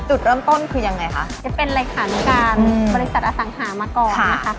จุดเริ่มต้นคือยังไงคะแกเป็นเลขานุการบริษัทอสังหามาก่อนนะคะ